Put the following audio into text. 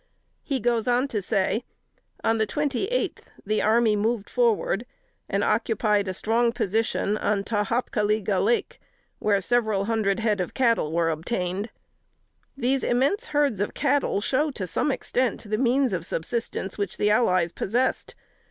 He goes on to say: "On the twenty eighth, the army moved forward, and occupied a strong position on 'Ta hop ka liga' Lake, where several hundred head of cattle were obtained." These immense herds of cattle show to some extent the means of subsistence which the allies possessed.